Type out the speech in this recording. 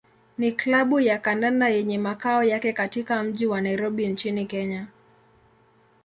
ni klabu ya kandanda yenye makao yake katika mji wa Nairobi nchini Kenya.